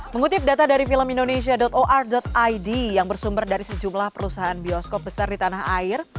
mengutip data dari filmindonesia or id yang bersumber dari sejumlah perusahaan bioskop besar di tanah air